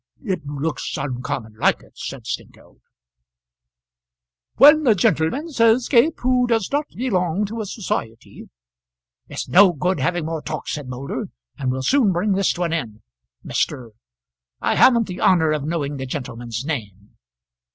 "It looks uncommon like it," said Snengkeld. "When a gentleman," said Gape, "who does not belong to a society " "It's no good having more talk," said Moulder, "and we'll soon bring this to an end. Mr. ; I haven't the honour of knowing the gentleman's name."